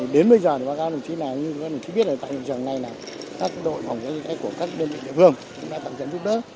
đến bây giờ thì các đồng chí biết là tại trường này là các đội phòng cháy của các đơn vị địa phương đã tập trận giúp đỡ